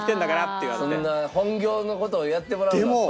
そんな本業の事をやってもらうなと。